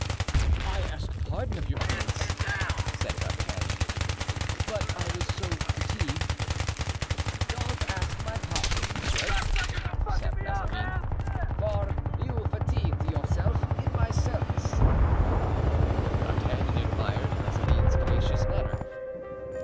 "I ask pardon of your eminence," said D'Artagnan, "but I was so fatigued——" "Don't ask my pardon, monsieur," said Mazarin, "for you fatigued yourself in my service." D'Artagnan admired Mazarin's gracious manner.